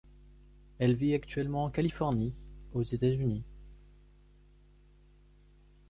Elle vit actuellement en Californie, aux États-Unis.